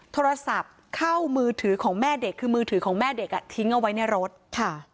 โทรศัพท์เข้ามือถือของแม่เด็กคือมือถือของแม่เด็กอ่ะทิ้งเอาไว้ในรถค่ะ